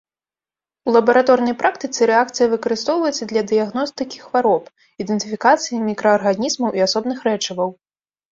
У лабараторнай практыцы рэакцыя выкарыстоўваецца для дыягностыкі хвароб, ідэнтыфікацыі мікраарганізмаў і асобных рэчываў.